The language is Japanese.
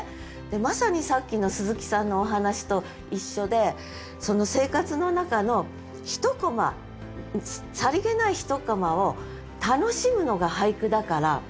でまさにさっきのすずきさんのお話と一緒でその生活の中の一コマさりげない一コマを楽しむのが俳句だから。